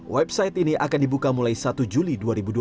website ini akan dibuka mulai satu juli dua ribu dua puluh